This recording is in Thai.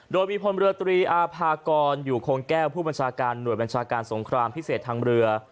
โดยมีพลเรือตรีอาภากรอยู่คงแก้วผู้บัญชาการหน่วยบัญชาการสงครามพิเศษทางเรือ